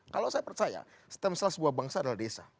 kalau saya percaya stem cell sebuah bangsa adalah desa